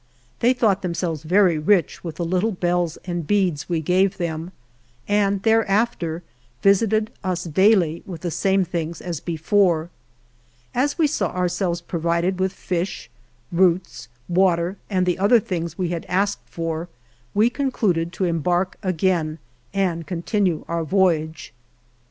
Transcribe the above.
They thought themselves very rich with the little bells and beads we gave them, and thereafter visited us daily with the same things as before. As we saw ourselves provided with fish, roots, water and the other things we had asked for, we concluded to embark again and continue our voyage.